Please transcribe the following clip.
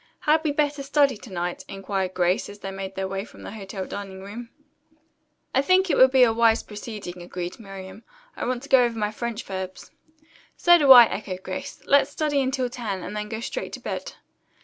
"Had we better study to night?" inquired Grace as they made their way from the hotel dining room. "I think it would be a wise proceeding," agreed Miriam. "I want to go over my French verbs." "So do I," echoed Grace. "Let's study until ten, and then go straight to bed."